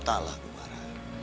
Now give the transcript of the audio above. tak lah bu mara